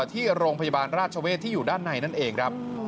ที่โรงพยาบาลราชเวศที่อยู่ด้านในนั่นเองครับ